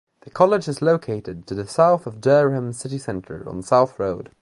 The college is located to the south of Durham city centre, on South Road.